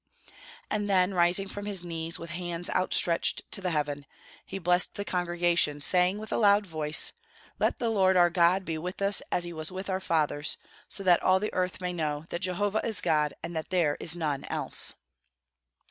And then, rising from his knees, with hands outstretched to heaven, he blessed the congregation, saying with a loud voice, "Let the Lord our God be with us as he was with our fathers, so that all the earth may know that Jehovah is God and that there is none else!"